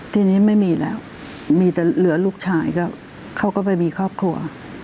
ทีนี้ไม่มีแล้วมีแต่เหลือลูกชายก็เขาก็ไปมีครอบครัว